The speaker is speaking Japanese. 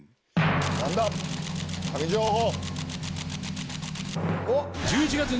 何だ神情報。